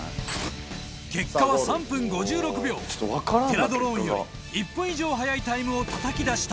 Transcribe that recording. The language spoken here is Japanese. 結果は３分５６秒テラドローンより１分以上早いタイムをたたき出した